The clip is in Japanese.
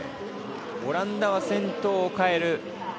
オランダは先頭を変える。